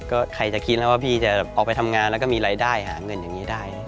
ก็ใครจะคิดแล้วว่าพี่จะออกไปทำงานแล้วก็มีรายได้หาเงินอย่างนี้ได้